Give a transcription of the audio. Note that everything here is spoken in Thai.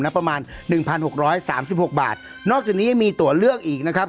ประมาณหนึ่งพันหกร้อยสามสิบหกบาทนอกจากนี้ยังมีตัวเลือกอีกนะครับ